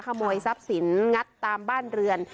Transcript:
ขโมยทรัพย์สินงัดตามบ้านเรือน